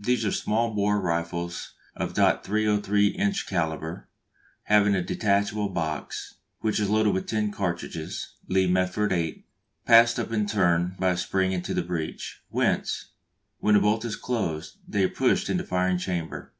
These are small bore rifles of .303 inch calibre, having a detachable box, which is loaded with ten cartridges (Lee Metford eight) passed up in turn by a spring into the breech, whence, when the bolt is closed, they are pushed into the firing chamber.